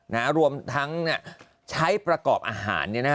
รวมทั้งใช้ประกอบอาหารเนี่ยนะฮะ